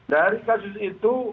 dari kasus itu